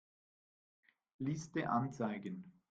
Liste anzeigen.